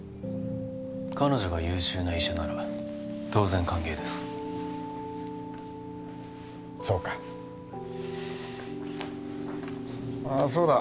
彼女が優秀な医者なら当然歓迎ですそうかああそうだ